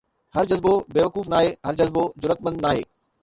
هر جذبو بيوقوف ناهي، هر جذبو جرئتمند ناهي